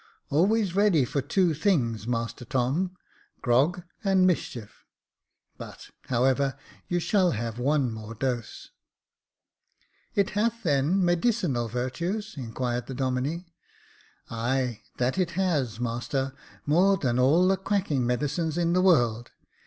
" Always ready for two things. Master Tom — grog and mischief J but, however, you shall have one more dose:' " It hath, then, medicinal virtues ?" inquired the Domine. Ay, that it has, master — more than all the quacking medicines in the world.